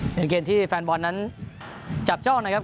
เป็นเกมที่แฟนบอลนั้นจับจ้องนะครับ